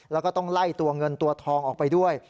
แล้วก็ต้องไล่ตัวเงินตัวทองออกไปด้วย